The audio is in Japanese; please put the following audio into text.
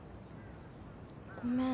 ごめん。